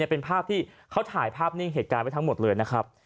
เป็นภาพที่เขาถ่ายภาพนิ่งเหตุการณ์ไว้ทั้งหมดเลยนะครับ